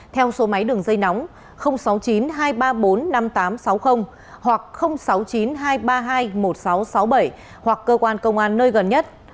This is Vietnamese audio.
theo số máy đường dây nóng sáu mươi chín hai trăm ba mươi bốn năm nghìn tám trăm sáu mươi hoặc sáu mươi chín hai trăm ba mươi hai một nghìn sáu trăm sáu mươi bảy hoặc cơ quan công an nơi gần nhất